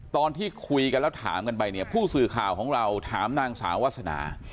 ตอนที่คุยกันแล้วถามกันไปเนี่ยผู้สื่อข่าวของเราถามนางสาววาสนา